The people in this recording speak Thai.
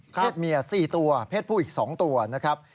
เพศเมีย๔ตัวเพศผู้อีก๒ตัวนะครับ